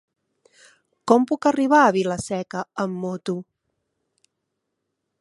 Com puc arribar a Vila-seca amb moto?